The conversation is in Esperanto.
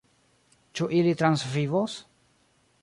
Ĉu ili transvivos?